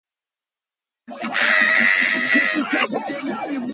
He served as a brigadier-general during the later stages of the Zulu War.